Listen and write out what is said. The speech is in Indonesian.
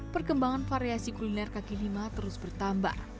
perkembangan variasi kuliner kaki lima terus bertambah